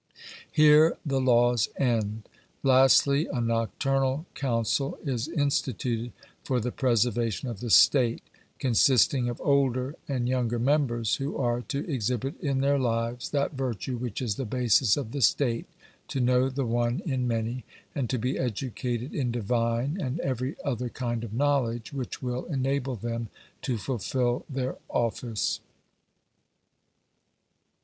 Here the Laws end. Lastly, a Nocturnal Council is instituted for the preservation of the state, consisting of older and younger members, who are to exhibit in their lives that virtue which is the basis of the state, to know the one in many, and to be educated in divine and every other kind of knowledge which will enable them to fulfil their office.